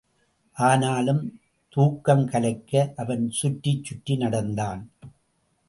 ஆனாலும் தூக்கம் கலைக்க அவன் சுற்றிச் சுற்றி நடந்தான்.